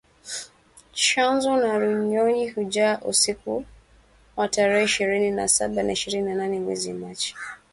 Tchanzu na Runyonyi hujaa usiku wa tarehe ishirni na saba na ishirini na nane mwezi machi